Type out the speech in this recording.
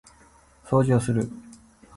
掃除をする